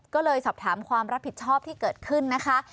ก็เลยสอบถามความรับผิดชอบที่เกิดขึ้นนะคะ